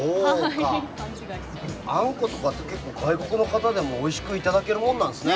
あんことかって外国の方でもおいしくいただけるもんなんですね。